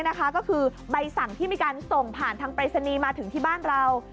ก็คือใบสั่งที่มีการส่งผ่านทางปรายศนีย์มาถึงที่บ้านเรา